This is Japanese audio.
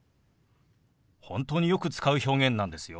本当によく使う表現なんですよ。